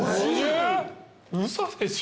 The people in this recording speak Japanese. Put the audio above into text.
嘘でしょ。